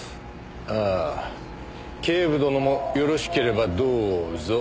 ああ警部殿もよろしければどうぞ。